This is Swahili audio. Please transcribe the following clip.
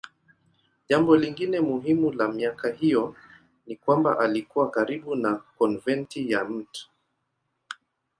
Jambo lingine muhimu la miaka hiyo ni kwamba alikuwa karibu na konventi ya Mt.